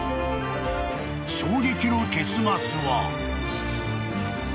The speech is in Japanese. ［衝撃の結末は］